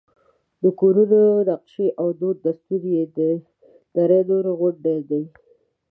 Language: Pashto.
د کورونو نقشې او دود دستور یې د دره نور غوندې دی.